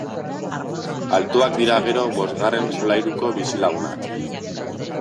Altuak dira gero bosgarren solairuko bizilagunak!